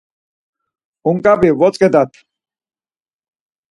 Unǩap̌i votzǩedat.